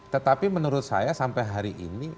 tetapi menurut saya sampai hari ini